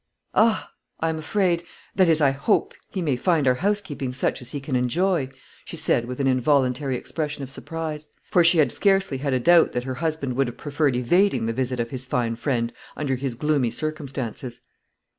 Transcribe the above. "Ah! I am afraid that is, I hope he may find our housekeeping such as he can enjoy," she said, with an involuntary expression of surprise; for she had scarcely had a doubt that her husband would have preferred evading the visit of his fine friend, under his gloomy circumstances.